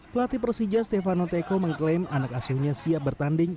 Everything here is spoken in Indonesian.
pelatih persija stefano teko mengklaim anak asuhnya siap bertanding